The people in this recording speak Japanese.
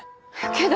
けど！